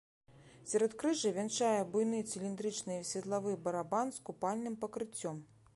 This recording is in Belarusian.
Сяродкрыжжа вянчае буйны цыліндрычны светлавы барабан з купальным пакрыццём.